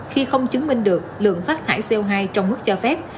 khi không chứng minh được lượng phát thải co hai trong mức cho phép